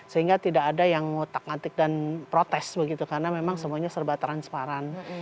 sehingga tidak ada yang ngotak ngatik dan protes begitu karena memang semuanya serba transparan